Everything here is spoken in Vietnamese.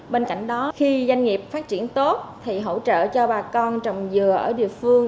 bên cạnh đó khi doanh nghiệp phát triển tốt thì hỗ trợ cho bà con trồng dừa ở địa phương